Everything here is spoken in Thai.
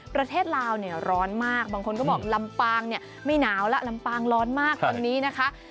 ประเทศลาวเนี่ยร้อนมากบางคนก็บอกลำปางเนี่ยไม่หนาวแล้วลำปางร้อนมากตอนนี้นะคะ